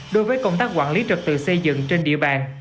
đối với công tác quản lý trật tự xây dựng trên địa bàn